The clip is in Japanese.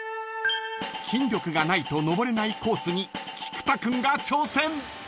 ［筋力がないと登れないコースに菊田君が挑戦］